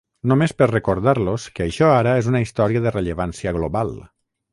Només per recordar-los que això ara és una història de rellevància global.